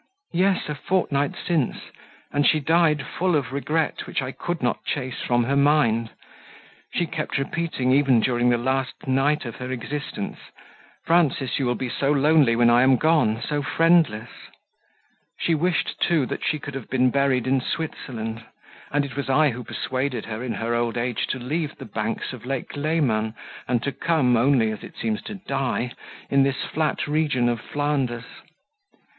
"Yes, a fortnight since, and she died full of regret, which I could not chase from her mind; she kept repeating, even during the last night of her existence, 'Frances, you will be so lonely when I am gone, so friendless:' she wished too that she could have been buried in Switzerland, and it was I who persuaded her in her old age to leave the banks of Lake Leman, and to come, only as it seems to die, in this flat region of Flanders.